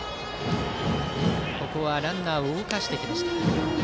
ここはランナーを動かしてきました。